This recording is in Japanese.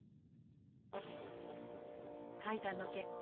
会談の結果